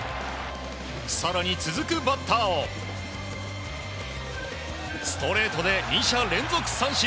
更に、続くバッターをストレートで２者連続三振！